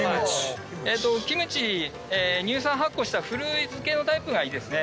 キムチ乳酸発酵した古漬けのタイプがいいですね。